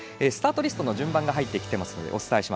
スタートリストの順番が入ってきています。